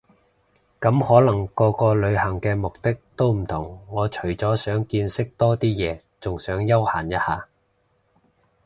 咁可能個個旅行嘅目的都唔同我除咗想見識多啲嘢，仲想休閒一下